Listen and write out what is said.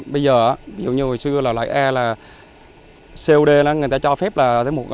bây giờ ví dụ như hồi xưa loại a là cod người ta cho phép là một trăm năm mươi